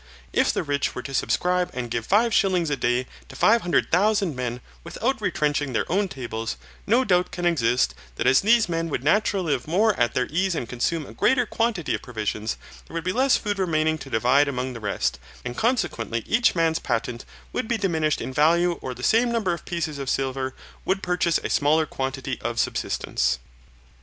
If the rich were to subscribe and give five shillings a day to five hundred thousand men without retrenching their own tables, no doubt can exist, that as these men would naturally live more at their ease and consume a greater quantity of provisions, there would be less food remaining to divide among the rest, and consequently each man's patent would be diminished in value or the same number of pieces of silver would purchase a smaller quantity of subsistence.